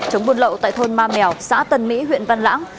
chống buôn lậu tại thôn ma mèo xã tân mỹ huyện văn lãng